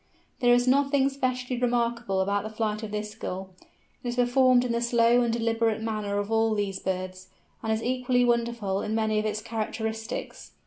There is nothing specially remarkable about the flight of this Gull; it is performed in the slow and deliberate manner of all these birds, and is equally wonderful in many of its characteristics.